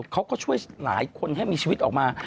เขาก็ช่วยหลายคนให้มีชีวิตออกมา